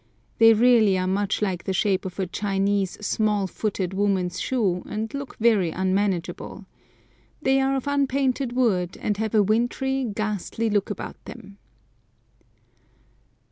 They really are much like the shape of a Chinese "small footed" woman's shoe, and look very unmanageable. They are of unpainted wood, and have a wintry, ghastly look about them.